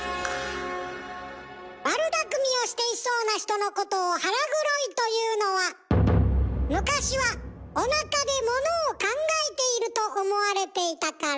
悪だくみをしていそうな人のことを「腹黒い」というのは昔はおなかでものを考えていると思われていたから。